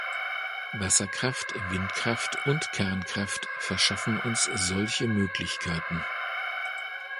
Wasserkraft, Windkraft und Kernkraft verschaffen uns solche Möglichkeiten.